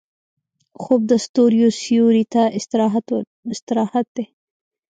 خوب د ستوريو سیوري ته استراحت دی